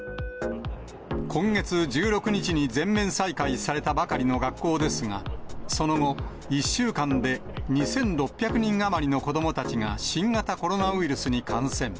今月１６日に全面再開されたばかりの学校ですが、その後、１週間で２６００人余りの子どもたちが新型コロナウイルスに感染。